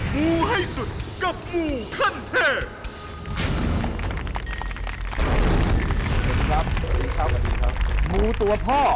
หมูให้สุดกับหมูขั้นเทพ